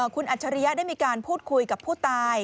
คุณอัจฉริยะได้มีการพูดคุยกับผู้ตาย